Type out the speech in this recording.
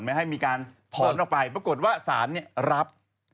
ไม่ให้มีการถอนออกไปปรากฏว่าศาลรับ